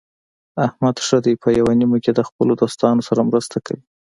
احمد ښه دی په یوه نیمه کې د خپلو دوستانو سره مرسته کوي.